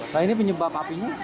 nah ini penyebab apinya